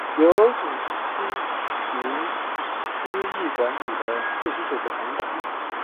由九十七名司铎名管理四十九个堂区。